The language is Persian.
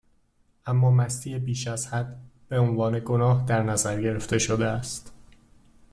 اما مستی بیشازحد، بهعنوان گناه در نظر گرفته شده است